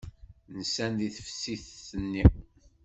Nsan deg teftist-nni.